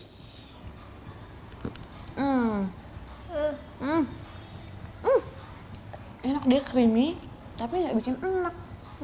enak deh creamy tapi gak bikin enak